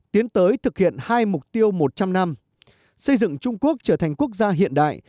tiến tới thực hiện hai mục tiêu một trăm linh năm xây dựng trung quốc trở thành quốc gia hiện đại